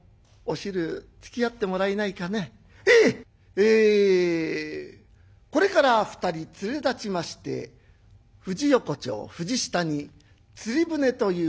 えこれから２人連れ立ちまして富士横丁富士下に釣り船という待合がございます。